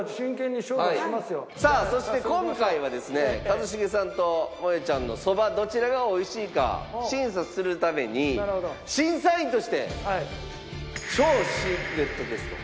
さあそして今回はですね一茂さんともえちゃんのそばどちらが美味しいか審査するために審査員として超シークレットゲスト。